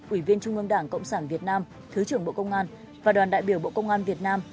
ủy viên trung ương đảng cộng sản việt nam thứ trưởng bộ công an và đoàn đại biểu bộ công an việt nam